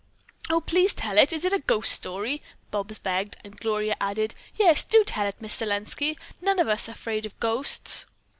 "Oh, please tell it! Is it a ghost story?" Bobs begged, and Gloria added, "Yes, do tell it, Miss Selenski. We are none of us afraid of ghosts."